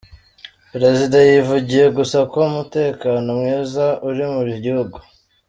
Perezida yivugiye gusa ku mutekano “mwiza” uri mu gihugu.